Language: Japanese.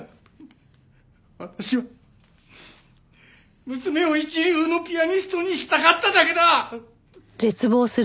私は娘を一流のピアニストにしたかっただけだ！